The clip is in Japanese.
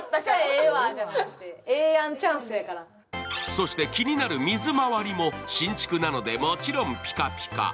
そして気になる水回りも新築なのでもちろんピカピカ。